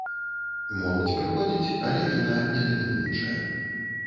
Моладзь прыходзіць, але яна не дамінуючая.